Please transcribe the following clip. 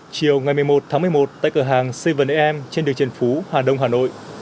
chiều ngày một mươi một tháng một mươi một tại cửa hàng seven am trên đường trần phú hà đông hà nội